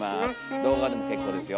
動画でも結構ですよ。